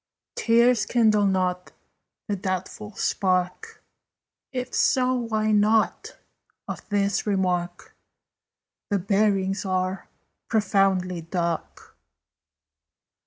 "Tears kindle not the doubtful spark. If so, why not? Of this remark The bearings are profoundly dark."